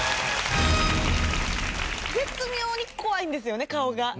絶妙に怖いんですよね顔が。